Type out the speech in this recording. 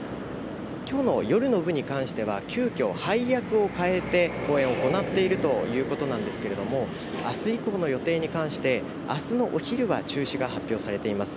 今日の夜の部に関しては、急きょ、配役をかえて公演を行っているということなんですけれども、明日以降の予定について明日のお昼は中止が発表されています。